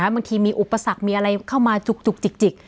บางทีมีอุปสรรคมีอะไรเข้ามาจุกจิก